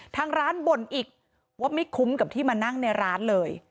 ทางร้านบ่นอีกว่าไม่คุ้มกับที่มานั่งในร้านเลย